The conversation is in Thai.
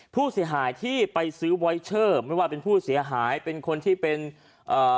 ผู้เสียหายที่ไปซื้อวอยเชอร์ไม่ว่าเป็นผู้เสียหายเป็นคนที่เป็นเอ่อ